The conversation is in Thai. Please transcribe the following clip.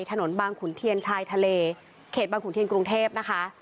บางขุนเทียนชายทะเลเขตบางขุนเทียนกรุงเทพนะคะ